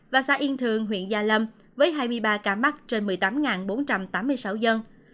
và xã yên thường huyện gia lâm với hai mươi ba ca mắc trên một mươi tám bốn trăm tám mươi sáu dân